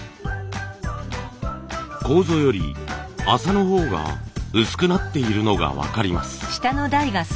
楮より麻の方が薄くなっているのが分かります。